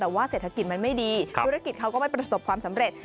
แต่ว่าเศรษฐกิจมันไม่ดีธุรกิจเขาก็ไม่ประสบความสำเร็จ